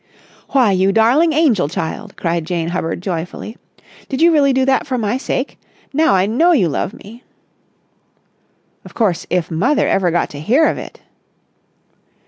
"Why, you darling angel child," cried Jane Hubbard joyfully. "Did you really do that for my sake? Now I know you love me!" "Of course, if mother ever got to hear of it...!"